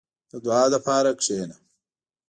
• د دعا لپاره کښېنه.